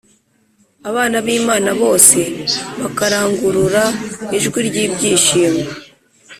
abana b’imana bose bakarangurura ijwi ry’ibyishimo